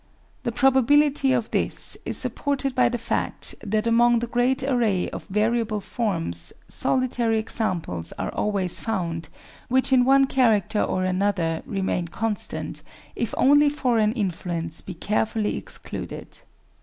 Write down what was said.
The probability of this is sup ported by the fact that among the great array of variable forms solitary examples are always found, which in one character or another remain constant, if only foreign influence be carefully excluded.